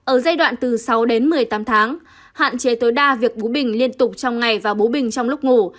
ở giai đoạn từ sáu đến một mươi tám tháng hạn chế tối đa việc bú bình liên tục trong ngày và bú bình trong lúc ngủ